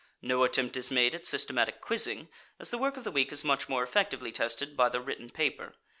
No attempt is made at systematic quizzing, as the work of the week is much more effectively tested by the written paper.